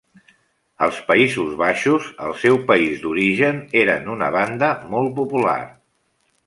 Als Països Baixos, el seu país d'origen, eren una banda molt popular.